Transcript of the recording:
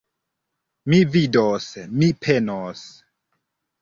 Mi vidos, mi penos.